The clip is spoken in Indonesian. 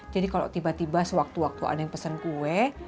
jadi kalau tiba tiba sewaktu waktu ada yang pesen kue